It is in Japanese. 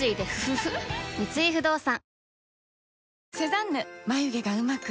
三井不動産